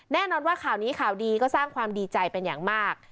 แน่นอนว่าข่าวนี้ข่าวดีก็สร้างความดีใจเป็นอย่างมาก